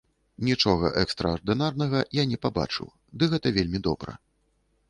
Нічога экстраардынарнага я не пабачыў, ды гэта вельмі добра.